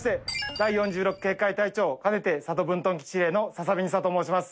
第４６警戒隊長兼ねて佐渡分屯基地司令の篠部２佐と申します。